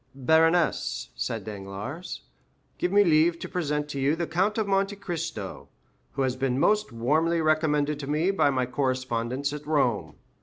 "Baroness," said Danglars, "give me leave to present to you the Count of Monte Cristo, who has been most warmly recommended to me by my correspondents at Rome.